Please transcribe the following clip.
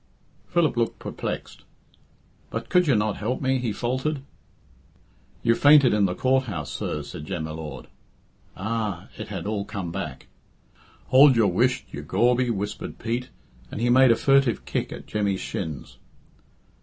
Philip looked perplexed. "But could you not help me " he faltered. "You fainted in the Court house, sir," said Jem y Lord. "Ah!" It had all come back. "Hould your whisht, you gawbie," whispered Pete, and he made a furtive kick at Jemmy's shins.